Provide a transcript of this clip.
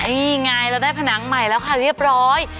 นี่ไงเราได้ผนังใหม่แล้วค่ะเรียบร้อย